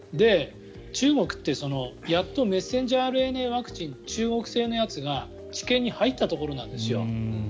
中国ってやっとメッセンジャーＲＮＡワクチン中国製のやつが治験に入ったところなんです。